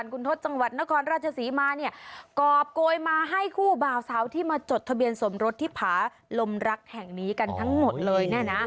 คุณทศจังหวัดนครราชศรีมาเนี่ยกรอบโกยมาให้คู่บ่าวสาวที่มาจดทะเบียนสมรสที่ผาลมรักแห่งนี้กันทั้งหมดเลยเนี่ยนะ